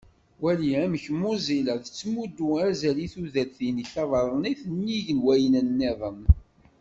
Wali amek Mozilla tettmuddu azal i tudert-inek tabaḍnit nnig n wayen-nniḍen.